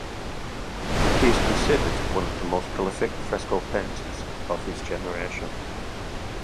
He is considered one of the most prolific fresco painters of his generation.